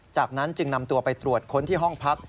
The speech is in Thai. จากนั้นจึงนำตัวไปตรวจค้นที่ห้องพัก